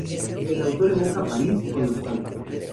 El autor evoca París con nostalgia.